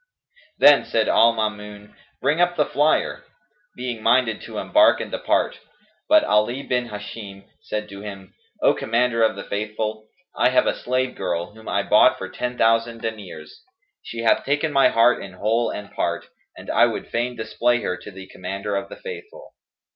Then said al Maamun, "Bring up 'the Flyer,'" being minded to embark and depart: but Ali bin Hisham said to him, "O Commander of the Faithful, I have a slave girl, whom I bought for ten thousand diners; she hath taken my heart in whole and part, and I would fain display her to the Commander of the Faithful.